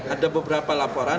ada beberapa laporan